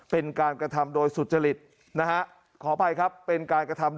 เป็นการกระทำโดยสุจริตนะฮะขออภัยครับเป็นการกระทำ